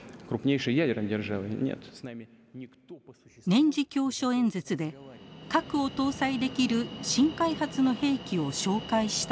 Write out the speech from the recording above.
年次教書演説で核を搭載できる新開発の兵器を紹介したのです。